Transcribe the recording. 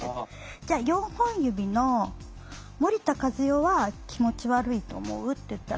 「じゃあ４本指の森田かずよは気持ち悪いと思う？」って言ったら。